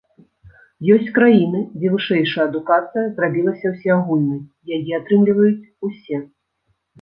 Ёсць краіны, дзе вышэйшая адукацыя зрабілася ўсеагульнай, яе атрымліваюць усе.